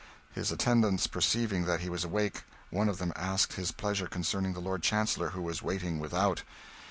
His attendants perceiving that he was awake, one of them asked his pleasure concerning the Lord Chancellor, who was waiting without.